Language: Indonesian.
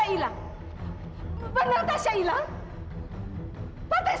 hai pak prison gis